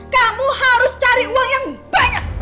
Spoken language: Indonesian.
kamu harus cari uang yang banyak